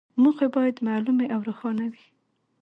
موخې باید معلومې او روښانه وي.